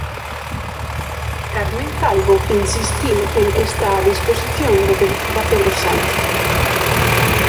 Carmen Calvo insistiu en que está a disposición do que decida Pedro Sánchez.